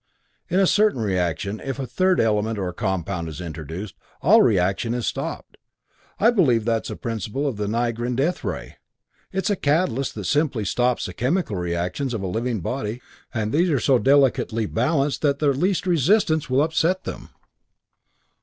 In a certain reaction, if a third element or compound is introduced, all reaction is stopped. I believe that's the principle of the Nigran death ray; it's a catalyst that simply stops the chemical reactions of a living body, and these are so delicately balanced that the least resistance will upset them."